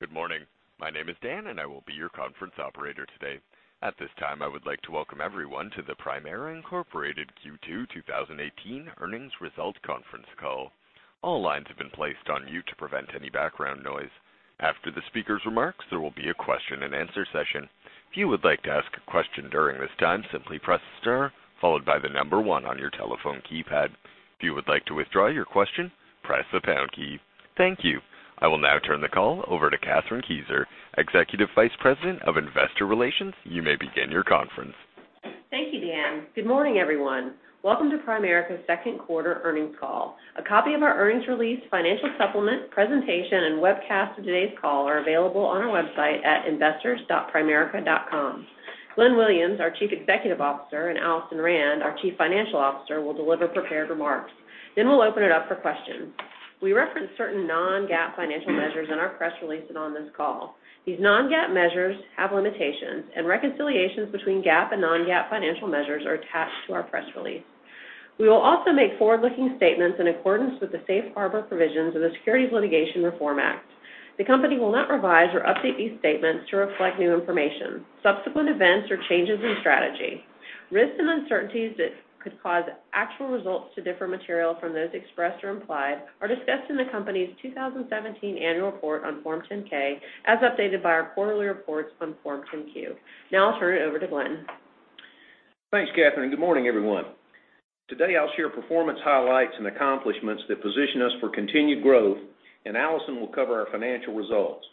Good morning. My name is Dan. I will be your conference operator today. At this time, I would like to welcome everyone to the Primerica, Inc. Q2 2018 Earnings Result Conference Call. All lines have been placed on mute to prevent any background noise. After the speakers' remarks, there will be a question and answer session. If you would like to ask a question during this time, simply press star, followed by the number one on your telephone keypad. If you would like to withdraw your question, press the pound key. Thank you. I will now turn the call over to Kathryn Kezer, Executive Vice President of Investor Relations. You may begin your conference. Thank you, Dan. Good morning, everyone. Welcome to Primerica's second quarter earnings call. A copy of our earnings release, financial supplement, presentation, and webcast of today's call are available on our website at investors.primerica.com. Glenn J. Williams, our Chief Executive Officer, and Alison S. Rand, our Chief Financial Officer, will deliver prepared remarks. We'll open it up for questions. We reference certain non-GAAP financial measures in our press release and on this call. These non-GAAP measures have limitations. Reconciliations between GAAP and non-GAAP financial measures are attached to our press release. We will also make forward-looking statements in accordance with the safe harbor provisions of the Securities Litigation Reform Act. The company will not revise or update these statements to reflect new information, subsequent events, or changes in strategy. Risks and uncertainties that could cause actual results to differ material from those expressed or implied are discussed in the company's 2017 annual report on Form 10-K, as updated by our quarterly reports on Form 10-Q. Now I'll turn it over to Glenn. Thanks, Kathryn. Good morning, everyone. Today, I'll share performance highlights and accomplishments that position us for continued growth. Alison will cover our financial results.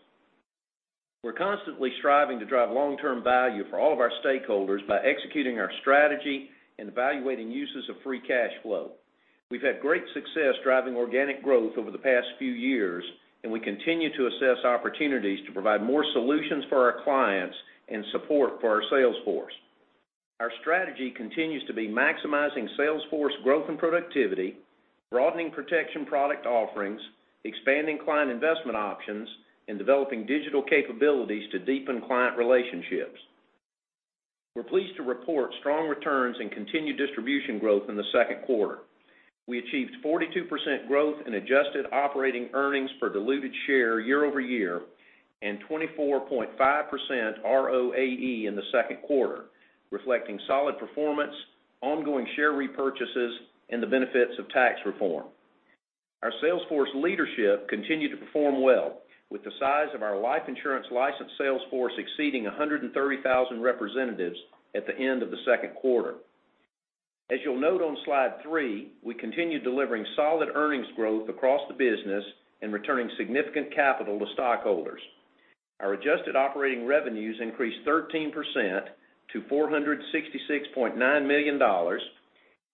We're constantly striving to drive long-term value for all of our stakeholders by executing our strategy and evaluating uses of free cash flow. We've had great success driving organic growth over the past few years. We continue to assess opportunities to provide more solutions for our clients and support for our sales force. Our strategy continues to be maximizing sales force growth and productivity, broadening protection product offerings, expanding client Investment and Savings Products, and developing digital capabilities to deepen client relationships. We're pleased to report strong returns and continued distribution growth in the second quarter. We achieved 42% growth in adjusted operating earnings per diluted share year-over-year and 24.5% ROAE in the second quarter, reflecting solid performance, ongoing share repurchases, and the benefits of tax reform. Our sales force leadership continued to perform well, with the size of our life insurance licensed sales force exceeding 130,000 representatives at the end of the second quarter. As you'll note on slide three, we continue delivering solid earnings growth across the business and returning significant capital to stockholders. Our adjusted operating revenues increased 13% to $466.9 million,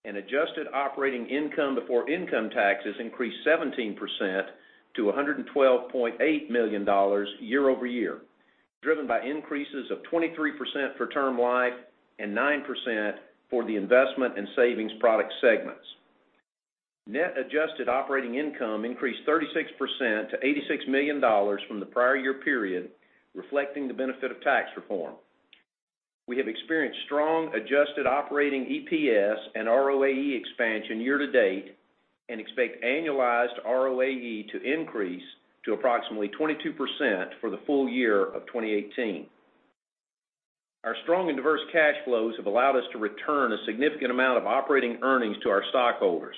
and adjusted operating income before income taxes increased 17% to $112.8 million year-over-year, driven by increases of 23% for Term Life and 9% for the Investment and Savings Products segments. Net adjusted operating income increased 36% to $86 million from the prior year period, reflecting the benefit of tax reform. We have experienced strong adjusted operating EPS and ROAE expansion year-to-date and expect annualized ROAE to increase to approximately 22% for the full year of 2018. Our strong and diverse cash flows have allowed us to return a significant amount of operating earnings to our stockholders.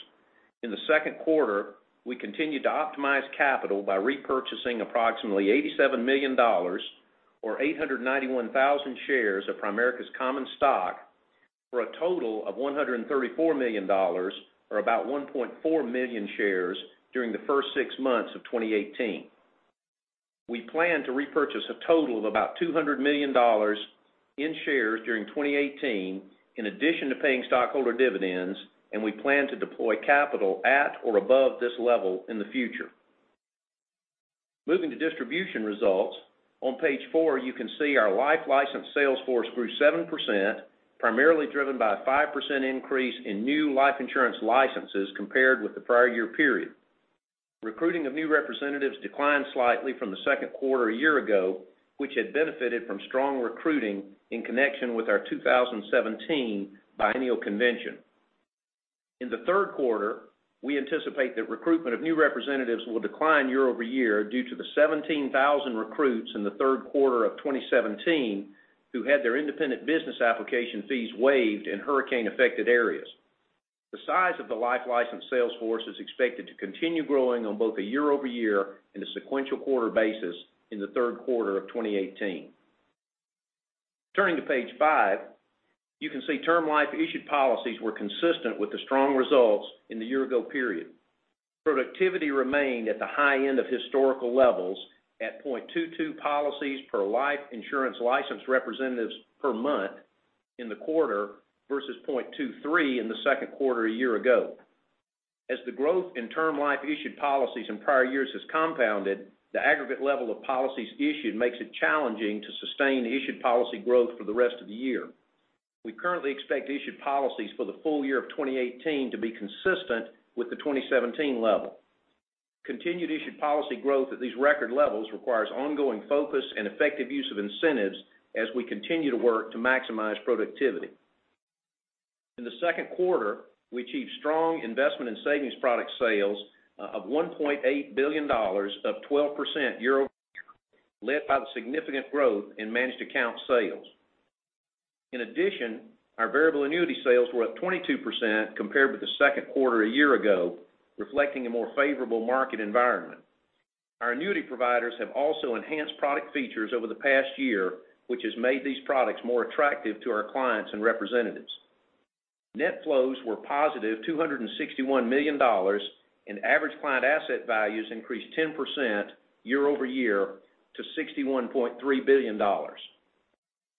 In the second quarter, we continued to optimize capital by repurchasing approximately $87 million, or 891,000 shares of Primerica's common stock for a total of $134 million, or about 1.4 million shares during the first six months of 2018. We plan to repurchase a total of about $200 million in shares during 2018, in addition to paying stockholder dividends, and we plan to deploy capital at or above this level in the future. Moving to distribution results, on page four, you can see our life license sales force grew 7%, primarily driven by a 5% increase in new life insurance licenses compared with the prior year period. Recruiting of new representatives declined slightly from the second quarter a year ago, which had benefited from strong recruiting in connection with our 2017 biennial convention. In the third quarter, we anticipate that recruitment of new representatives will decline year-over-year due to the 17,000 recruits in the third quarter of 2017 who had their independent business application fees waived in hurricane-affected areas. The size of the life license sales force is expected to continue growing on both a year-over-year and a sequential quarter basis in the third quarter of 2018. Turning to page five, you can see Term Life issued policies were consistent with the strong results in the year ago period. Productivity remained at the high end of historical levels at 0.22 policies per life insurance licensed representatives per month in the quarter versus 0.23 in the second quarter a year ago. As the growth in Term Life issued policies in prior years has compounded, the aggregate level of policies issued makes it challenging to sustain issued policy growth for the rest of the year. We currently expect issued policies for the full year of 2018 to be consistent with the 2017 level. Continued issued policy growth at these record levels requires ongoing focus and effective use of incentives as we continue to work to maximize productivity. In the second quarter, we achieved strong Investment and Savings Products sales of $1.8 billion, up 12% year-over-year, led by the significant growth in Managed Accounts sales. In addition, our variable annuity sales were up 22% compared with the second quarter a year ago, reflecting a more favorable market environment. Our annuity providers have also enhanced product features over the past year, which has made these products more attractive to our clients and representatives. Net flows were positive $261 million, and average client asset values increased 10% year-over-year to $61.3 billion.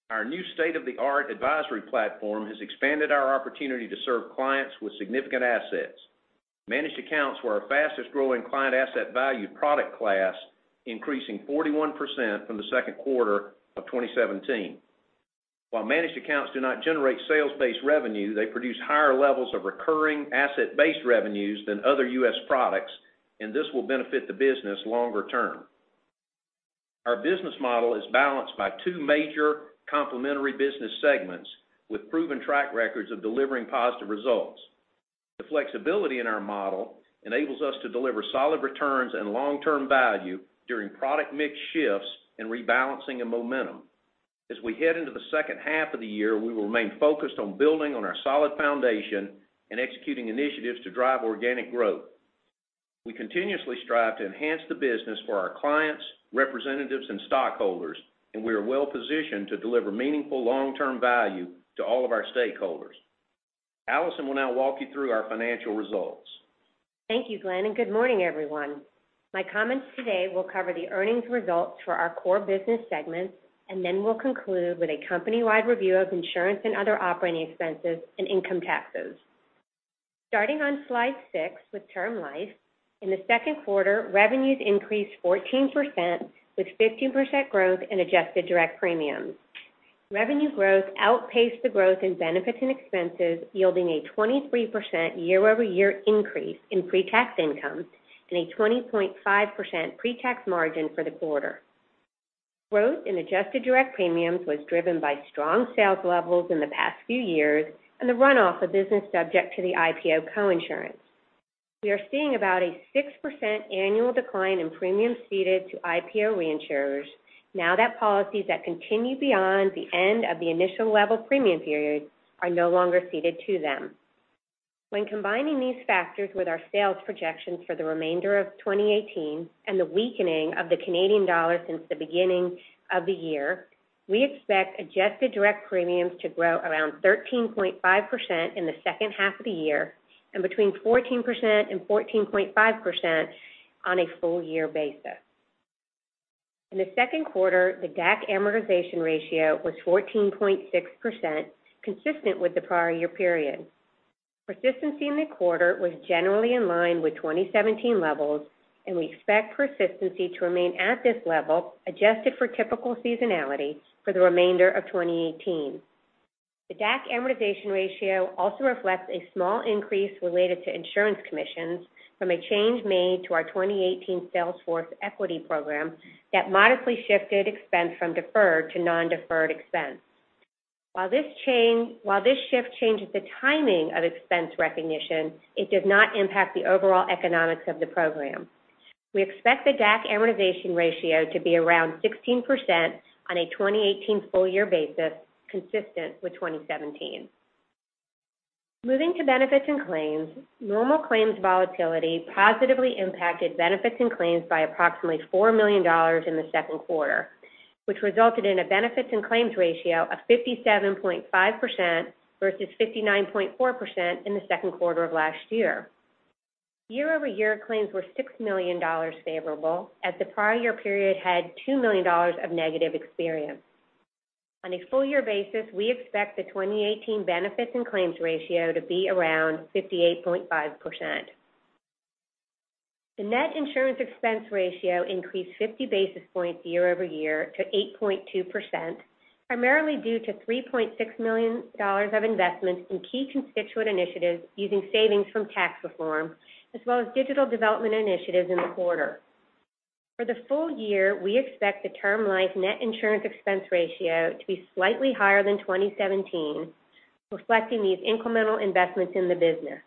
Our new state-of-the-art advisory platform has expanded our opportunity to serve clients with significant assets. Managed Accounts were our fastest-growing client asset value product class, increasing 41% from the second quarter of 2017. While Managed Accounts do not generate sales-based revenue, they produce higher levels of recurring asset-based revenues than other U.S. products, and this will benefit the business longer term. Our business model is balanced by two major complementary business segments with proven track records of delivering positive results. The flexibility in our model enables us to deliver solid returns and long-term value during product mix shifts and rebalancing of momentum. As we head into the second half of the year, we will remain focused on building on our solid foundation and executing initiatives to drive organic growth. We continuously strive to enhance the business for our clients, representatives, and stockholders, and we are well-positioned to deliver meaningful long-term value to all of our stakeholders. Alison will now walk you through our financial results. Thank you, Glenn, and good morning, everyone. My comments today will cover the earnings results for our core business segments, then we will conclude with a company-wide review of insurance and other operating expenses and income taxes. Starting on slide six with Term Life. In the second quarter, revenues increased 14%, with 15% growth in adjusted direct premiums. Revenue growth outpaced the growth in benefits and expenses, yielding a 23% year-over-year increase in pre-tax income and a 20.5% pre-tax margin for the quarter. Growth in adjusted direct premiums was driven by strong sales levels in the past few years and the runoff of business subject to the IPO coinsurance. We are seeing about a 6% annual decline in premiums ceded to IPO reinsurers now that policies that continue beyond the end of the initial level premium period are no longer ceded to them. When combining these factors with our sales projections for the remainder of 2018 and the weakening of the Canadian dollar since the beginning of the year, we expect adjusted direct premiums to grow around 13.5% in the second half of the year and between 14%-14.5% on a full year basis. In the second quarter, the DAC amortization ratio was 14.6%, consistent with the prior year period. Persistency in the quarter was generally in line with 2017 levels, and we expect persistency to remain at this level, adjusted for typical seasonality, for the remainder of 2018. The DAC amortization ratio also reflects a small increase related to insurance commissions from a change made to our 2018 sales force equity program that modestly shifted expense from deferred to non-deferred expense. While this shift changes the timing of expense recognition, it does not impact the overall economics of the program. We expect the DAC amortization ratio to be around 16% on a 2018 full year basis, consistent with 2017. Moving to Benefits and Claims. Normal claims volatility positively impacted Benefits and Claims by approximately $4 million in the second quarter, which resulted in a Benefits and Claims ratio of 57.5% versus 59.4% in the second quarter of last year. Year-over-year claims were $6 million favorable as the prior year period had $2 million of negative experience. On a full year basis, we expect the 2018 Benefits and Claims ratio to be around 58.5%. The net insurance expense ratio increased 50 basis points year-over-year to 8.2%, primarily due to $3.6 million of investments in key constituent initiatives using savings from tax reform, as well as digital development initiatives in the quarter. For the full year, we expect the Term Life net insurance expense ratio to be slightly higher than 2017, reflecting these incremental investments in the business.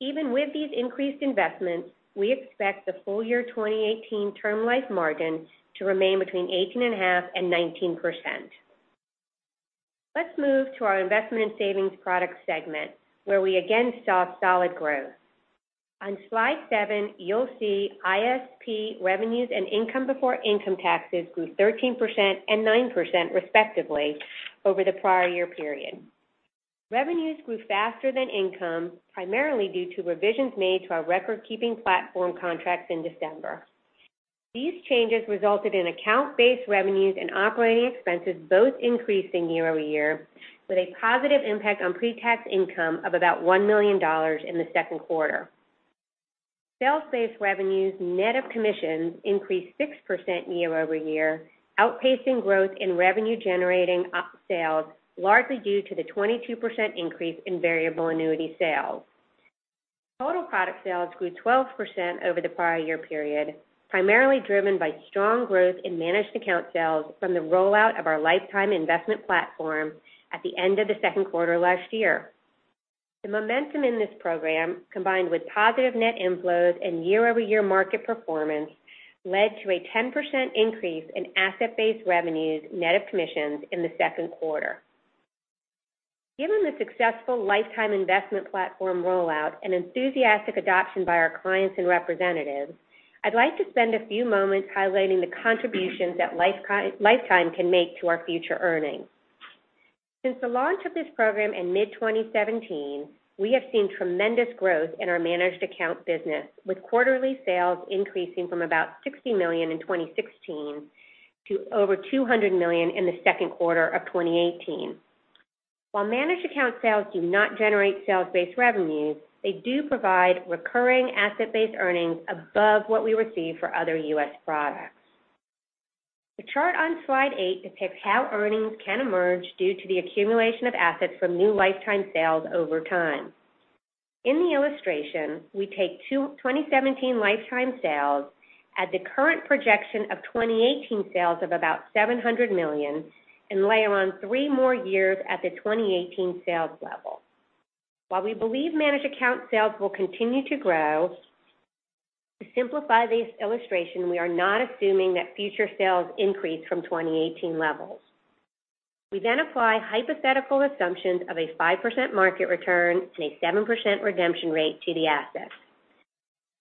Even with these increased investments, we expect the full year 2018 Term Life margin to remain between 18.5 and 19%. Let's move to our Investment & Savings Products segment, where we again saw solid growth. On slide seven, you'll see ISP revenues and income before income taxes grew 13% and 9% respectively over the prior year period. Revenues grew faster than income, primarily due to revisions made to our record-keeping platform contracts in December. These changes resulted in account-based revenues and operating expenses both increasing year-over-year, with a positive impact on pre-tax income of about $1 million in the second quarter. Sales-based revenues, net of commissions, increased 6% year-over-year, outpacing growth in revenue-generating sales, largely due to the 22% increase in variable annuity sales. Total product sales grew 12% over the prior year period, primarily driven by strong growth in Managed Account sales from the rollout of our Lifetime Investment Platform at the end of the second quarter last year. The momentum in this program, combined with positive net inflows and year-over-year market performance, led to a 10% increase in asset-based revenues net of commissions in the second quarter. Given the successful Lifetime Investment Platform rollout and enthusiastic adoption by our clients and representatives, I'd like to spend a few moments highlighting the contributions that Lifetime can make to our future earnings. Since the launch of this program in mid-2017, we have seen tremendous growth in our Managed Account business, with quarterly sales increasing from about $60 million in 2016 to over $200 million in the second quarter of 2018. While Managed Account sales do not generate sales-based revenues, they do provide recurring asset-based earnings above what we receive for other U.S. products. The chart on slide eight depicts how earnings can emerge due to the accumulation of assets from new Lifetime sales over time. In the illustration, we take 2017 Lifetime sales at the current projection of 2018 sales of about $700 million and layer on three more years at the 2018 sales level. While we believe Managed Account sales will continue to grow, to simplify this illustration, we are not assuming that future sales increase from 2018 levels. We then apply hypothetical assumptions of a 5% market return and a 7% redemption rate to the assets.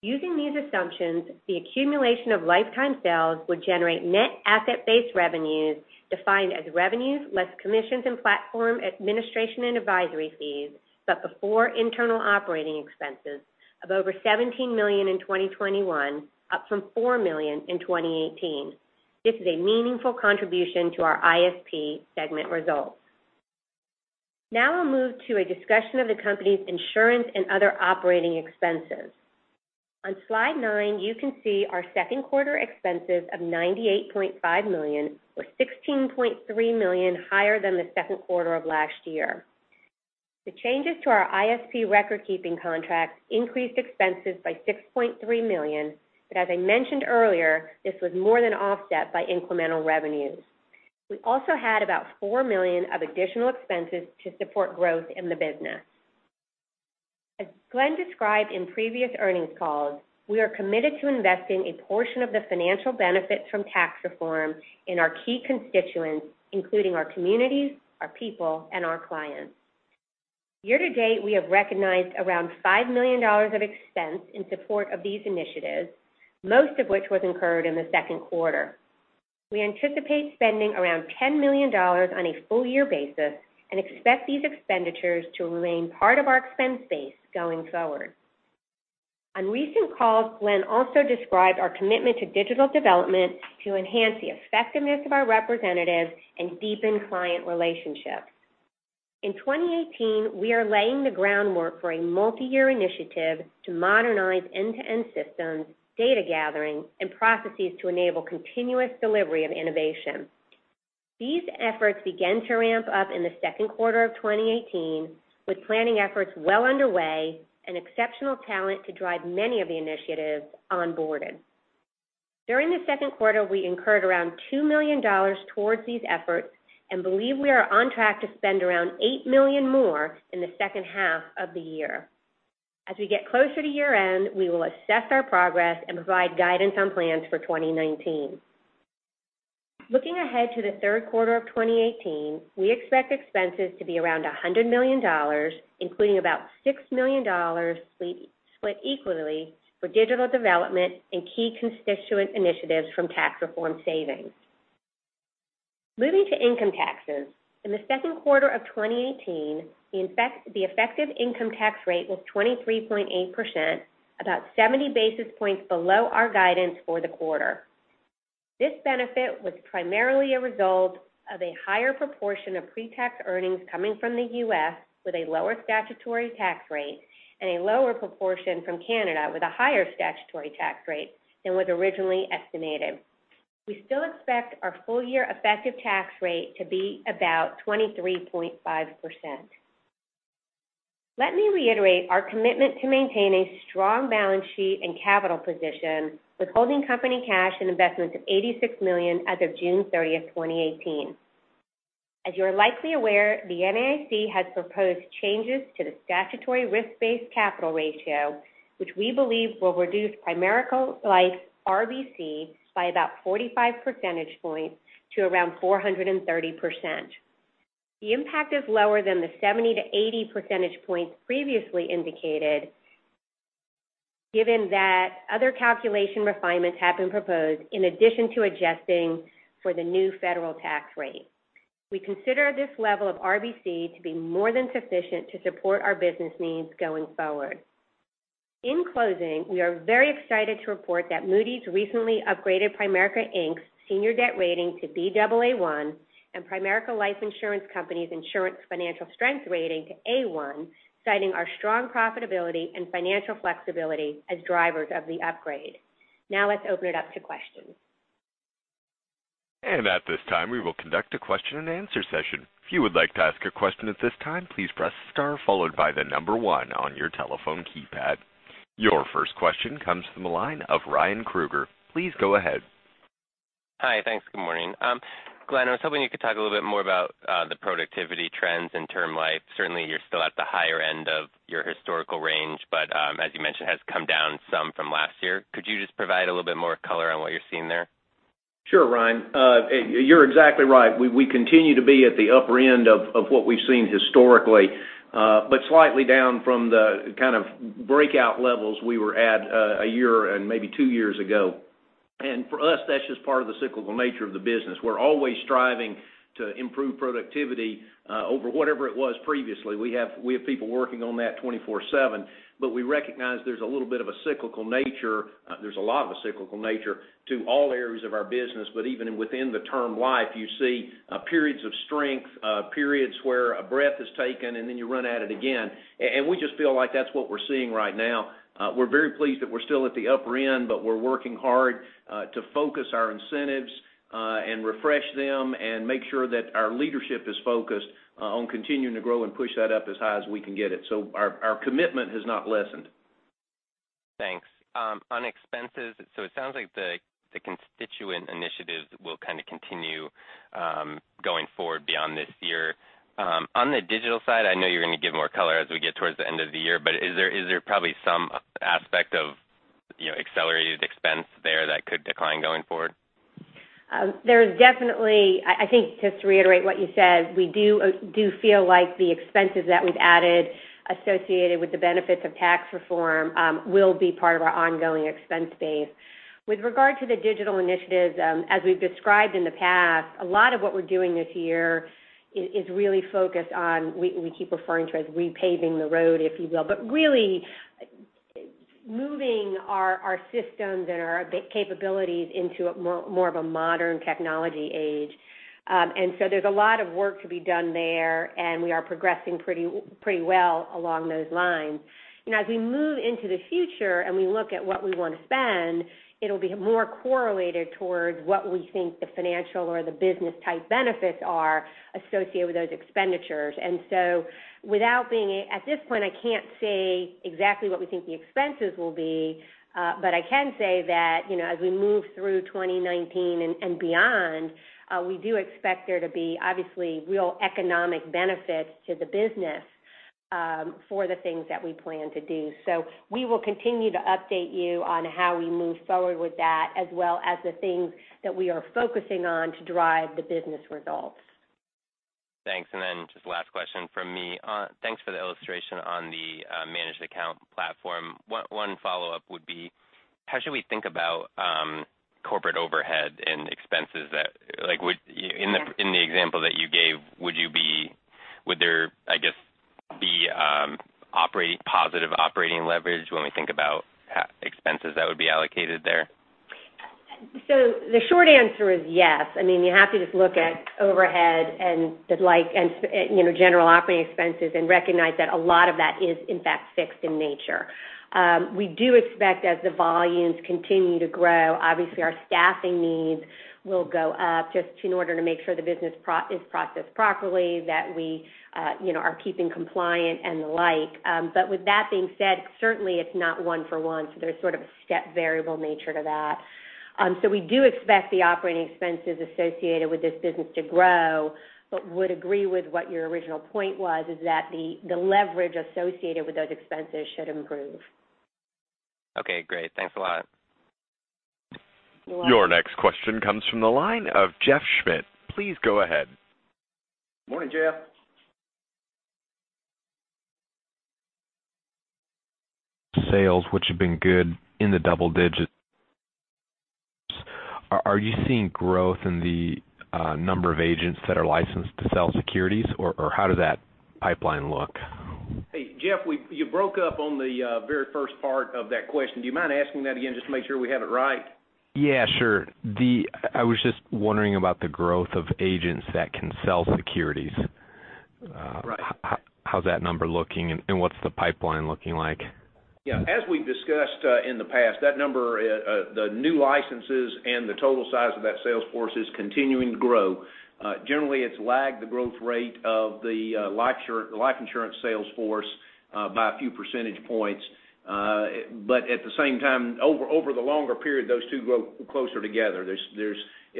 Using these assumptions, the accumulation of Lifetime sales would generate net asset-based revenues, defined as revenues less commissions and platform administration and advisory fees, before internal operating expenses, of over $17 million in 2021, up from $4 million in 2018. This is a meaningful contribution to our ISP segment results. We'll move to a discussion of the company's insurance and other operating expenses. On slide nine, you can see our second quarter expenses of $98.5 million, or $16.3 million higher than the second quarter of last year. The changes to our ISP record-keeping contracts increased expenses by $6.3 million, as I mentioned earlier, this was more than offset by incremental revenues. We also had about $4 million of additional expenses to support growth in the business. As Glenn described in previous earnings calls, we are committed to investing a portion of the financial benefits from tax reform in our key constituents, including our communities, our people, and our clients. Year to date, we have recognized around $5 million of expense in support of these initiatives, most of which was incurred in the second quarter. We anticipate spending around $10 million on a full-year basis and expect these expenditures to remain part of our expense base going forward. On recent calls, Glenn also described our commitment to digital development to enhance the effectiveness of our representatives and deepen client relationships. In 2018, we are laying the groundwork for a multi-year initiative to modernize end-to-end systems, data gathering, and processes to enable continuous delivery of innovation. These efforts began to ramp up in the second quarter of 2018, with planning efforts well underway and exceptional talent to drive many of the initiatives onboarded. During the second quarter, we incurred around $2 million towards these efforts and believe we are on track to spend around $8 million more in the second half of the year. As we get closer to year-end, we will assess our progress and provide guidance on plans for 2019. Looking ahead to the third quarter of 2018, we expect expenses to be around $100 million, including about $6 million split equally for digital development and key constituent initiatives from tax reform savings. Moving to income taxes. In the second quarter of 2018, the effective income tax rate was 23.8%, about 70 basis points below our guidance for the quarter. This benefit was primarily a result of a higher proportion of pre-tax earnings coming from the U.S. with a lower statutory tax rate and a lower proportion from Canada with a higher statutory tax rate than was originally estimated. We still expect our full-year effective tax rate to be about 23.5%. Let me reiterate our commitment to maintain a strong balance sheet and capital position with holding company cash and investments of $86 million as of June 30th, 2018. As you are likely aware, the NAIC has proposed changes to the statutory risk-based capital ratio, which we believe will reduce Primerica Life's RBC by about 45 percentage points to around 430%. The impact is lower than the 70-80 percentage points previously indicated, given that other calculation refinements have been proposed in addition to adjusting for the new federal tax rate. We consider this level of RBC to be more than sufficient to support our business needs going forward. In closing, we are very excited to report that Moody's recently upgraded Primerica, Inc.'s senior debt rating to Baa1 and Primerica Life Insurance Company's insurance financial strength rating to A1, citing our strong profitability and financial flexibility as drivers of the upgrade. Let's open it up to questions. At this time, we will conduct a question and answer session. If you would like to ask a question at this time, please press star followed by the number 1 on your telephone keypad. Your first question comes from the line of Ryan Krueger. Please go ahead. Hi. Thanks. Good morning. Glenn, I was hoping you could talk a little bit more about the productivity trends in Term Life. Certainly, you're still at the higher end of your historical range, but as you mentioned, has come down some from last year. Could you just provide a little bit more color on what you're seeing there? Sure, Ryan. You're exactly right. We continue to be at the upper end of what we've seen historically, but slightly down from the kind of breakout levels we were at a year and maybe two years ago. For us, that's just part of the cyclical nature of the business. We're always striving to improve productivity over whatever it was previously. We have people working on that 24/7. We recognize there's a little bit of a cyclical nature, there's a lot of a cyclical nature to all areas of our business. Even within the Term Life, you see periods of strength, periods where a breath is taken, and then you run at it again. We just feel like that's what we're seeing right now. We're very pleased that we're still at the upper end, but we're working hard to focus our incentives and refresh them and make sure that our leadership is focused on continuing to grow and push that up as high as we can get it. Our commitment has not lessened. Thanks. On expenses, it sounds like the constituent initiatives will kind of continue going forward beyond this year. On the digital side, I know you're going to give more color as we get towards the end of the year, but is there probably some aspect of accelerated expense there that could decline going forward? There's definitely, I think just to reiterate what you said, we do feel like the expenses that we've added associated with the benefits of tax reform will be part of our ongoing expense base. With regard to the digital initiatives, as we've described in the past, a lot of what we're doing this year is really focused on, we keep referring to as repaving the road, if you will. Really moving our systems and our capabilities into more of a modern technology age. There's a lot of work to be done there, and we are progressing pretty well along those lines. As we move into the future and we look at what we want to spend, it'll be more correlated towards what we think the financial or the business-type benefits are associated with those expenditures. At this point, I can't say exactly what we think the expenses will be, but I can say that as we move through 2019 and beyond, we do expect there to be obviously real economic benefits to the business for the things that we plan to do. We will continue to update you on how we move forward with that, as well as the things that we are focusing on to drive the business results. Thanks. Just last question from me. Thanks for the illustration on the Managed Account platform. One follow-up would be how should we think about corporate overhead and expenses that, in the example that you gave, would there be positive operating leverage when we think about expenses that would be allocated there? The short answer is yes. You have to just look at overhead and general operating expenses and recognize that a lot of that is in fact fixed in nature. We do expect as the volumes continue to grow, obviously our staffing needs will go up just in order to make sure the business is processed properly, that we are keeping compliant and the like. With that being said, certainly it's not one for one, so there's sort of a step variable nature to that. We do expect the operating expenses associated with this business to grow, but would agree with what your original point was, is that the leverage associated with those expenses should improve. Okay, great. Thanks a lot. You're welcome. Your next question comes from the line of Jeff Schmitt. Please go ahead. Morning, Jeff. Sales, which have been good in the double digits. Are you seeing growth in the number of agents that are licensed to sell securities, or how does that pipeline look? Hey, Jeff, you broke up on the very first part of that question. Do you mind asking that again just to make sure we have it right? Yeah, sure. I was just wondering about the growth of agents that can sell securities. Right. How's that number looking? What's the pipeline looking like? Yeah. As we've discussed in the past, that number, the new licenses and the total size of that sales force is continuing to grow. Generally, it's lagged the growth rate of the life insurance sales force by a few percentage points. At the same time, over the longer period, those two grow closer together.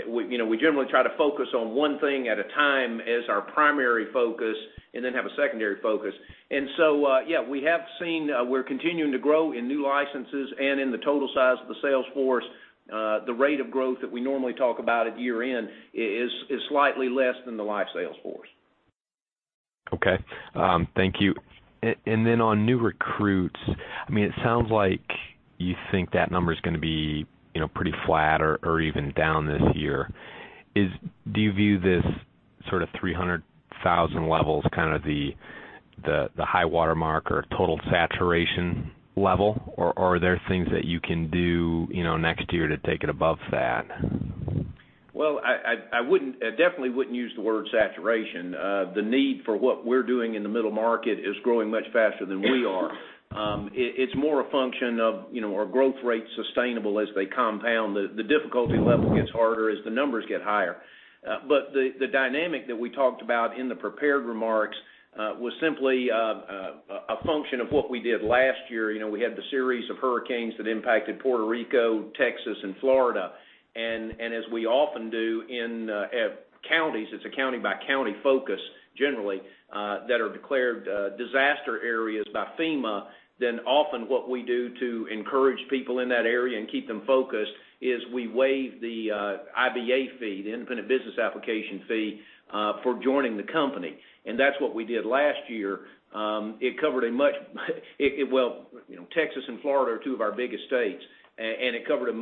We generally try to focus on one thing at a time as our primary focus and then have a secondary focus. Yeah, we're continuing to grow in new licenses and in the total size of the sales force. The rate of growth that we normally talk about at year-end is slightly less than the life sales force. Okay. Thank you. On new recruits, it sounds like you think that number's going to be pretty flat or even down this year. Do you view this sort of 300,000 level as kind of the high water mark or total saturation level, or are there things that you can do next year to take it above that? Well, I definitely wouldn't use the word saturation. The need for what we're doing in the middle market is growing much faster than we are. It's more a function of our growth rates sustainable as they compound. The difficulty level gets harder as the numbers get higher. The dynamic that we talked about in the prepared remarks was simply a function of what we did last year. We had the series of hurricanes that impacted Puerto Rico, Texas, and Florida. As we often do in counties, it's a county-by-county focus generally that are declared disaster areas by FEMA, then often what we do to encourage people in that area and keep them focused is we waive the IBA fee, the independent business application fee, for joining the company. That's what we did last year. Texas and Florida are two of our biggest states, and it covered a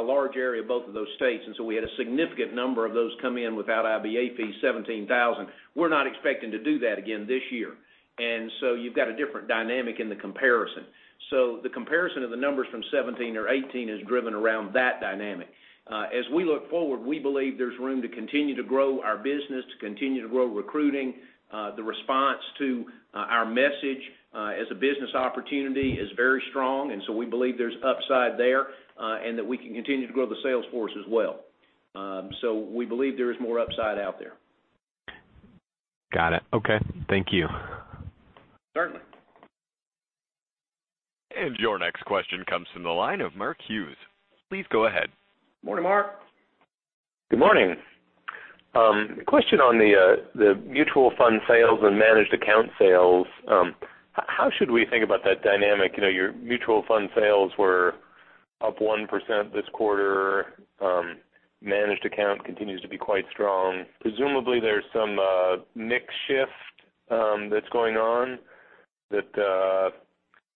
large area of both of those states, and so we had a significant number of those come in without IBA fee, 17,000. We're not expecting to do that again this year. You've got a different dynamic in the comparison. The comparison of the numbers from 2017 or 2018 is driven around that dynamic. As we look forward, we believe there's room to continue to grow our business, to continue to grow recruiting. The response to our message as a business opportunity is very strong, and so we believe there's upside there, and that we can continue to grow the sales force as well. We believe there is more upside out there. Got it. Okay. Thank you. Certainly. Your next question comes from the line of Mark Hughes. Please go ahead. Morning, Mark. Good morning. Question on the Mutual Funds sales and Managed Accounts sales. How should we think about that dynamic? Your Mutual Funds sales were up 1% this quarter. Managed Accounts continues to be quite strong. Presumably, there's some mix shift that's going on that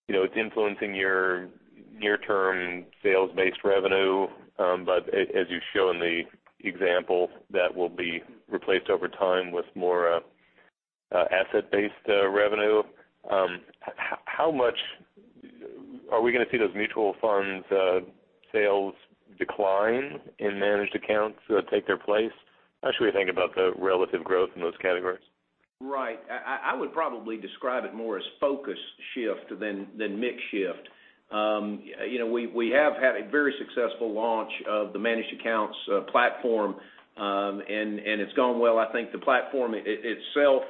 it's influencing your near-term sales-based revenue, but as you show in the example, that will be replaced over time with more asset-based revenue. How much are we going to see those Mutual Funds sales decline in Managed Accounts take their place? How should we think about the relative growth in those categories? I would probably describe it more as focus shift than mix shift. We have had a very successful launch of the Managed Accounts platform, and it's going well. I think the platform itself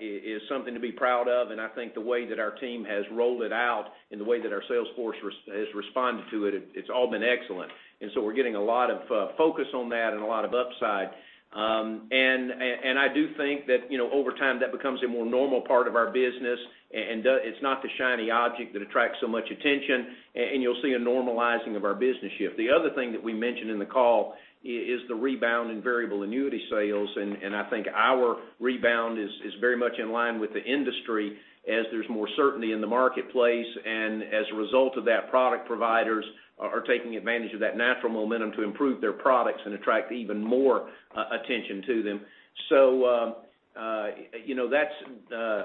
is something to be proud of, I think the way that our team has rolled it out and the way that our sales force has responded to it's all been excellent. We're getting a lot of focus on that and a lot of upside. I do think that over time, that becomes a more normal part of our business, and it's not the shiny object that attracts so much attention, you'll see a normalizing of our business shift. The other thing that we mentioned in the call is the rebound in Variable Annuities sales, and I think our rebound is very much in line with the industry as there's more certainty in the marketplace, and as a result of that, product providers are taking advantage of that natural momentum to improve their products and attract even more attention to them.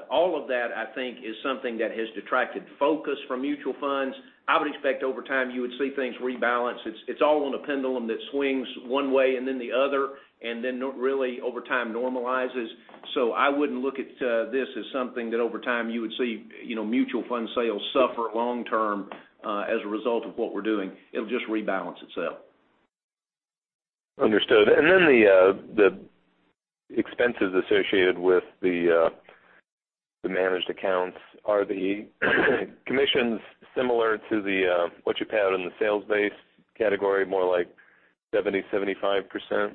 All of that, I think, is something that has detracted focus from Mutual Funds. I would expect over time you would see things rebalance. It's all on a pendulum that swings one way and then the other, then really over time normalizes. I wouldn't look at this as something that over time you would see Mutual Funds sales suffer long-term as a result of what we're doing. It'll just rebalance itself. Understood. The expenses associated with the Managed Accounts. Are the commissions similar to what you've had in the sales-based category, more like 70%-75%?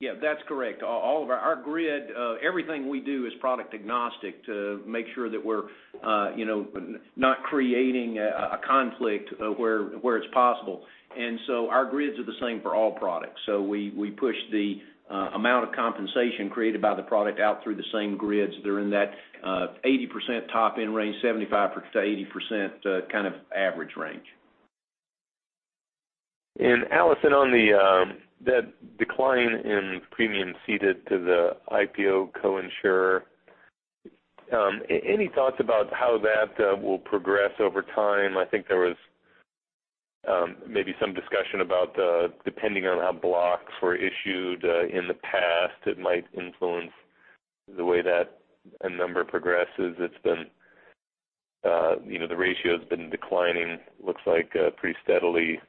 Yeah, that's correct. Our grid, everything we do is product agnostic to make sure that we're not creating a conflict where it's possible. Our grids are the same for all products. We push the amount of compensation created by the product out through the same grids. They're in that 80% top-end range, 75%-80% kind of average range. Alison, on the decline in premiums ceded to the IPO co-insurer, any thoughts about how that will progress over time? I think there was maybe some discussion about depending on how blocks were issued in the past, it might influence the way that a number progresses. The ratio has been declining, looks like pretty steadily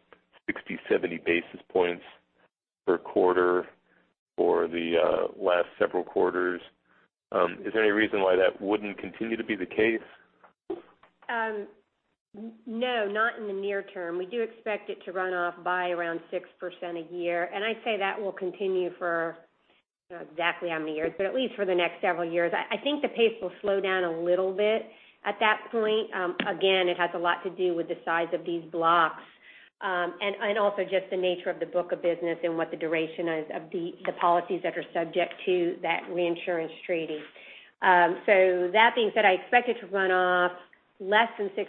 60-70 basis points per quarter for the last several quarters. Is there any reason why that wouldn't continue to be the case? No, not in the near term. We do expect it to run off by around 6% a year, I'd say that will continue for, I don't know exactly how many years, but at least for the next several years. I think the pace will slow down a little bit at that point. Again, it has a lot to do with the size of these blocks. Also just the nature of the book of business and what the duration is of the policies that are subject to that reinsurance treaty. That being said, I expect it to run off less than 6%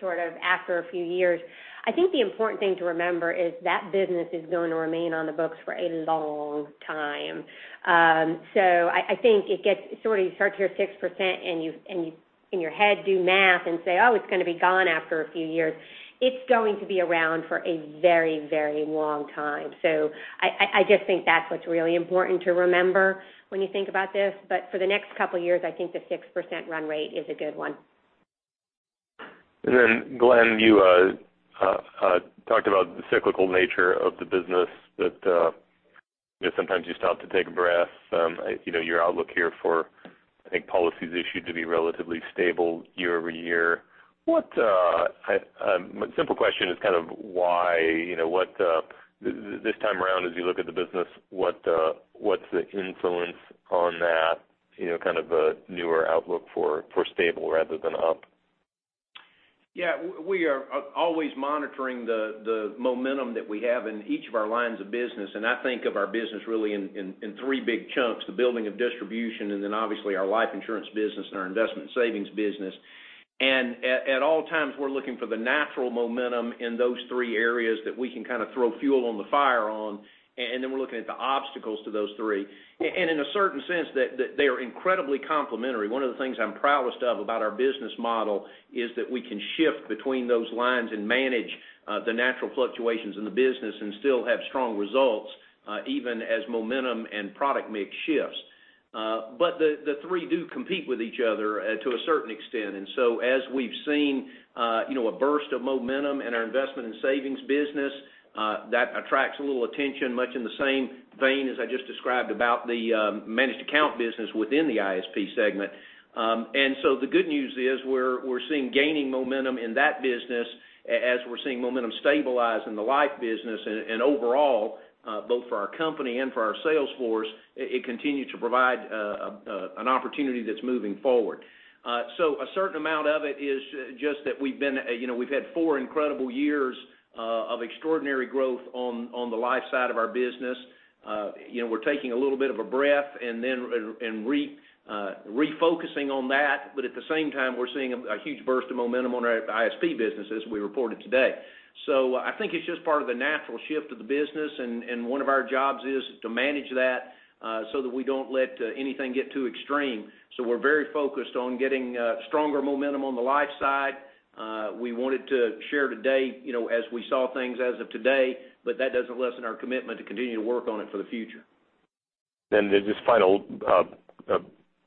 sort of after a few years. I think the important thing to remember is that business is going to remain on the books for a long time. I think it gets sort of, you start to hear 6% and you in your head do math and say, "Oh, it's going to be gone after a few years." It's going to be around for a very, very long time. I just think that's what's really important to remember when you think about this. For the next couple of years, I think the 6% run rate is a good one. Glenn, you talked about the cyclical nature of the business, that sometimes you stop to take a breath. Your outlook here for, I think, policies issued to be relatively stable year-over-year. A simple question is kind of why this time around, as you look at the business, what's the influence on that kind of a newer outlook for stable rather than up? We are always monitoring the momentum that we have in each of our lines of business, and I think of our business really in three big chunks, the building of distribution, and then obviously our life insurance business and our investment savings business. At all times, we're looking for the natural momentum in those three areas that we can kind of throw fuel on the fire on, and then we're looking at the obstacles to those three. In a certain sense, they are incredibly complementary. One of the things I'm proudest of about our business model is that we can shift between those lines and manage the natural fluctuations in the business and still have strong results, even as momentum and product mix shifts. The three do compete with each other to a certain extent. As we've seen a burst of momentum in our investment and savings business, that attracts a little attention, much in the same vein as I just described about the managed account business within the ISP segment. The good news is we're seeing gaining momentum in that business as we're seeing momentum stabilize in the life business and overall, both for our company and for our sales force, it continues to provide an opportunity that's moving forward. A certain amount of it is just that we've had four incredible years of extraordinary growth on the life side of our business. We're taking a little bit of a breath and refocusing on that, but at the same time, we're seeing a huge burst of momentum on our ISP business as we reported today. I think it's just part of the natural shift of the business, and one of our jobs is to manage that, so that we don't let anything get too extreme. We're very focused on getting stronger momentum on the life side. We wanted to share today as we saw things as of today, but that doesn't lessen our commitment to continue to work on it for the future. Just final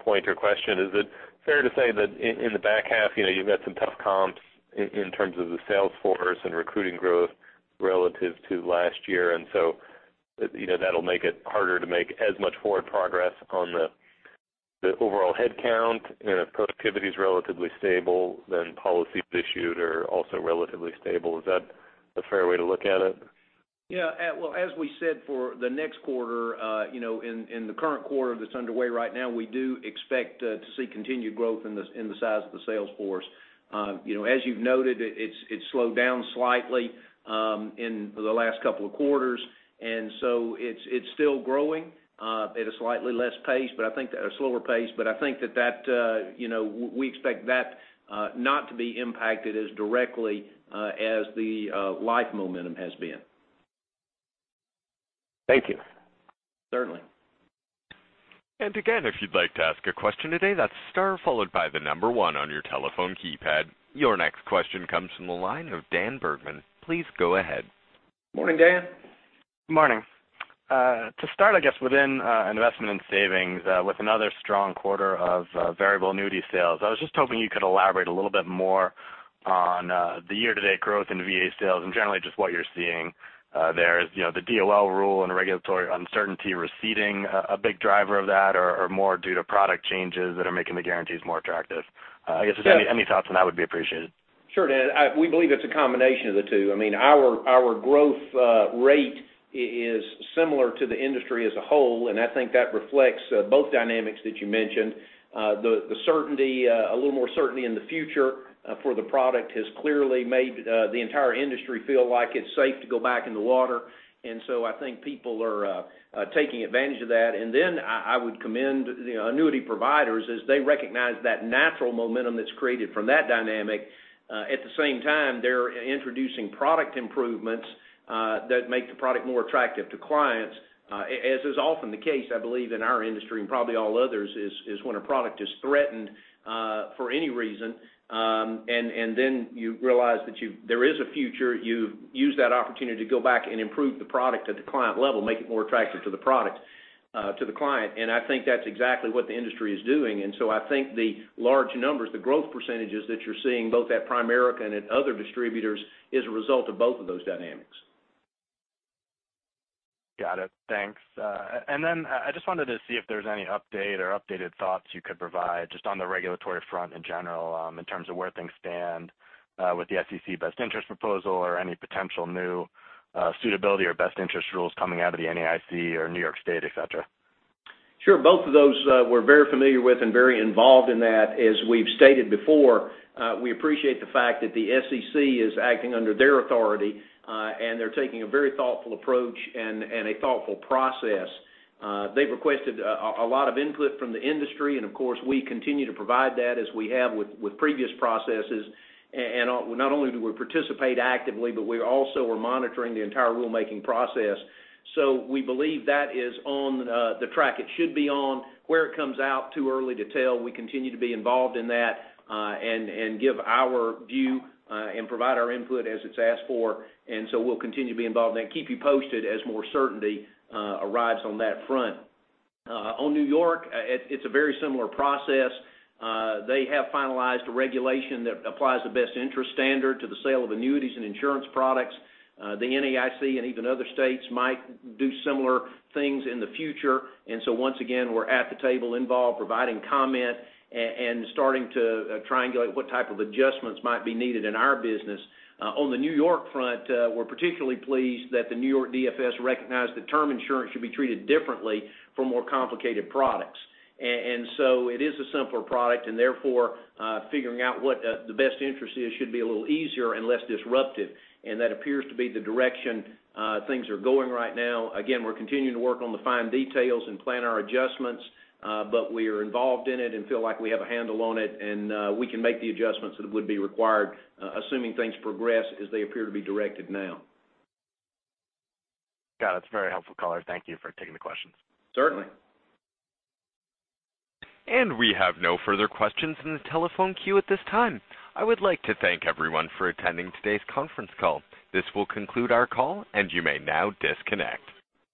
point or question, is it fair to say that in the back half, you've got some tough comps in terms of the sales force and recruiting growth relative to last year, that'll make it harder to make as much forward progress on the overall headcount, productivity is relatively stable, policies issued are also relatively stable. Is that a fair way to look at it? As we said for the next quarter, in the current quarter that's underway right now, we do expect to see continued growth in the size of the sales force. As you've noted, it slowed down slightly in the last couple of quarters, it's still growing at a slightly slower pace. I think that we expect that not to be impacted as directly as the life momentum has been. Thank you. Certainly. If you'd like to ask a question today, that's star followed by the number one on your telephone keypad. Your next question comes from the line of Dan Bergman. Please go ahead. Morning, Dan. Morning. To start, I guess within Investment and Savings Products, with another strong quarter of Variable Annuity sales, I was just hoping you could elaborate a little bit more on the year-to-date growth in VA sales and generally just what you're seeing there. Is the DOL rule and the regulatory uncertainty receding a big driver of that, or more due to product changes that are making the guarantees more attractive? I guess just any thoughts on that would be appreciated. Sure, Dan. We believe it's a combination of the two. Our growth rate is similar to the industry as a whole. I think that reflects both dynamics that you mentioned. A little more certainty in the future for the product has clearly made the entire industry feel like it's safe to go back in the water. So I think people are taking advantage of that. Then I would commend the annuity providers as they recognize that natural momentum that's created from that dynamic. At the same time, they're introducing product improvements that make the product more attractive to clients. As is often the case, I believe in our industry and probably all others, is when a product is threatened, for any reason, and then you realize that there is a future, you use that opportunity to go back and improve the product at the client level, make it more attractive to the client. I think that's exactly what the industry is doing. I think the large numbers, the growth percentages that you're seeing both at Primerica and at other distributors is a result of both of those dynamics. Got it. Thanks. I just wanted to see if there's any update or updated thoughts you could provide just on the regulatory front in general, in terms of where things stand, with the SEC best interest proposal or any potential new suitability or best interest rules coming out of the NAIC or New York State, et cetera. Sure. Both of those we're very familiar with and very involved in that. As we've stated before, we appreciate the fact that the SEC is acting under their authority. They're taking a very thoughtful approach and a thoughtful process. They've requested a lot of input from the industry. Of course, we continue to provide that as we have with previous processes. Not only do we participate actively, but we also are monitoring the entire rulemaking process. We believe that is on the track it should be on. Where it comes out, too early to tell. We continue to be involved in that, give our view, and provide our input as it's asked for. We'll continue to be involved and keep you posted as more certainty arrives on that front. On New York, it's a very similar process. They have finalized a regulation that applies the best interest standard to the sale of annuities and insurance products. The NAIC and even other states might do similar things in the future. Once again, we're at the table involved, providing comment and starting to triangulate what type of adjustments might be needed in our business. On the New York front, we're particularly pleased that the New York DFS recognized that term insurance should be treated differently from more complicated products. It is a simpler product, therefore, figuring out what the best interest is should be a little easier and less disruptive, and that appears to be the direction things are going right now. Again, we're continuing to work on the fine details and plan our adjustments, but we are involved in it and feel like we have a handle on it, and we can make the adjustments that would be required, assuming things progress as they appear to be directed now. Got it. It's a very helpful call. Thank you for taking the questions. Certainly. We have no further questions in the telephone queue at this time. I would like to thank everyone for attending today's conference call. This will conclude our call, and you may now disconnect.